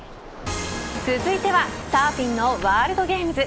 続いてはサーフィンのワールドゲームズ。